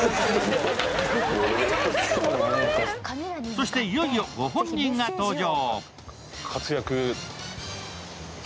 そして、いよいよご本人が登場。